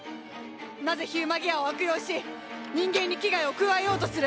なぜヒューマギアを悪用し人間に危害を加えようとする！